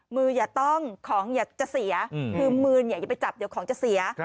อย่าต้องของอย่าจะเสียคือมืออย่าไปจับเดี๋ยวของจะเสีย